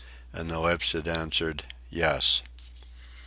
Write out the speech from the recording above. and the lips had answered, "Yes."